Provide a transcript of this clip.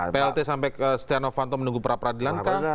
plt sampai astiano vanto menunggu perapradilan kah